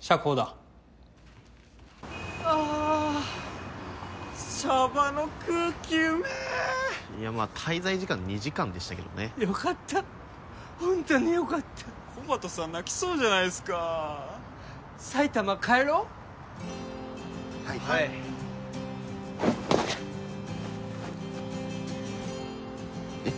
釈放だああシャバの空気うめえいや滞在時間２時間でしたけどねよかったホントによかったコバトさん泣きそうじゃないっすか埼玉帰ろうはいえっ？